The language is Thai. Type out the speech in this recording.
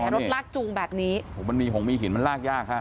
รถลากจูงแบบนี้ผมมีเห็นมันลากยากค่ะ